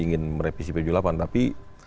ingin merevisi ppju delapan tapi